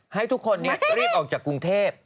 ให้ทุกคนนี้รีบออกจากกรุงเทพ